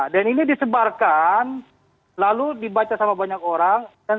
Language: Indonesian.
dan ini disebarkan lalu dibaca sama banyak orang